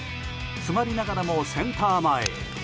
詰まりながらもセンター前へ。